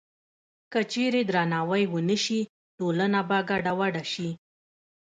که چېرې درناوی ونه شي، ټولنه به ګډوډه شي.